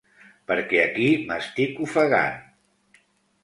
Perquè aquí m’estic ofegant.